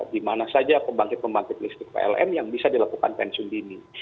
di mana saja pembangkit pembangkit listrik pln yang bisa dilakukan pensiun dini